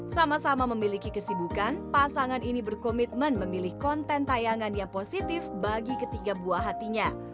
sama sama memiliki kesibukan pasangan ini berkomitmen memilih konten tayangan yang positif bagi ketiga buah hatinya